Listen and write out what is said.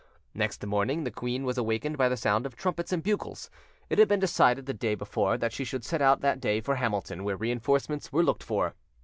Next morning the queen was awakened by the sound of trumpets and bugles: it had been decided the day before that she should set out that day for Hamilton, where reinforcements were looked for.